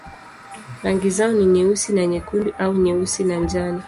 Rangi zao ni nyeusi na nyekundu au nyeusi na njano.